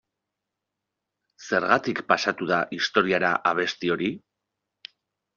Zergatik pasatu da historiara abesti hori?